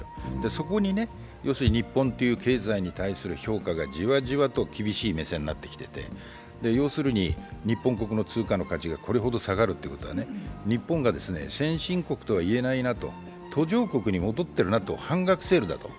そこに日本という経済に対する評価がじわじわと厳しい目線になってきていて日本国の通貨の価値がこれほど下がるというのは、日本が先進国とはいえないなと途上国に戻ってるなと、半額セールだと。